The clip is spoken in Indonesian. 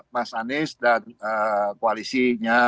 mas anies dan koalisinya